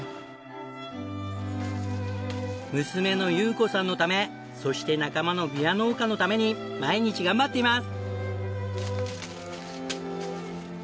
娘の優子さんのためそして仲間のビワ農家のために毎日頑張っています！